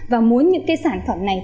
và muốn những cái sản phẩm này